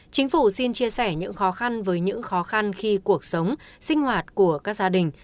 chính phủ xin chia sẻ những khó khăn với những khó khăn khi cuộc sống sinh hoạt của các gia đình